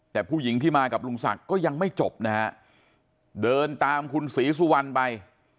แต่ผู้หญิงที่มากับลุงศักดิ์ก็ยังไม่จบนะฮะเดินตามคุณศรีสุวรรณไป